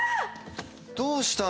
どうした？